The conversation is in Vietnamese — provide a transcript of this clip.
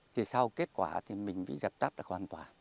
thì sau kết quả thì mình bị giặt tắt là hoàn toàn